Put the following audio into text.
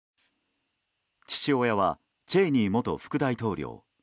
父親はチェイニー元副大統領。